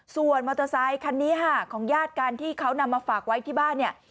ส่วนมอเตอร์ไซคันนี้ค่ะของญาติกันที่เขานำมาฝากไว้ที่บ้านเนี่ย